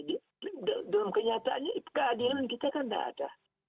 dalam kenyataannya keadilan kita kan tidak ada